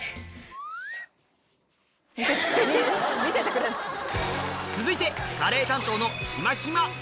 見せてくれるの⁉続いてカレー担当のひまひま